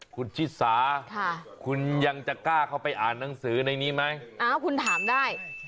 คุณชิสาคุณยังจะกล้าเข้าไปอ่านหนังสือในนี้ไหมอ้าวคุณถามได้